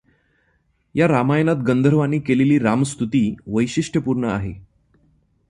या रामायणात गंधर्वाने केलेली रामस्तुती वैशिष्टपूर्ण आहे.